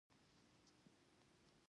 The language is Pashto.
زۀ نن کلي ته روان يم